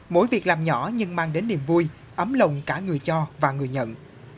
mỗi việc làm nhỏ nhưng mang đến niềm vui ấm lòng cả người cho và người nhận